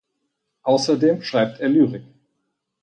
Außerdem schreibt er Lyrik.